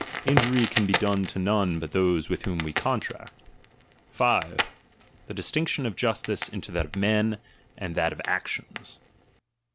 Injury can be done to none but those with whom ■we contract. 5. The distinction of justice into that of men, and that of actions.